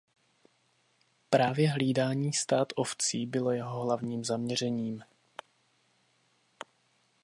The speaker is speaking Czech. Právě hlídání stád ovcí bylo jeho hlavním zaměřením.